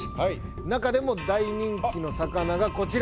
中でも大人気の魚がこちら！